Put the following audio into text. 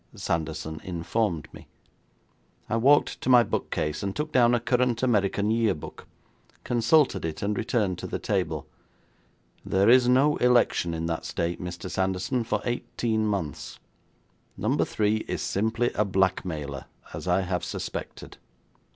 Sanderson informed me. I walked to my book case, and took down a current American Year Book, consulted it, and returned to the table. 'There is no election in that State, Mr. Sanderson, for eighteen months. Number Three is simply a blackmailer, as I have suspected.'